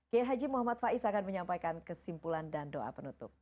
khayyam muhammad faiz akan menyampaikan kesimpulan dan doa penutup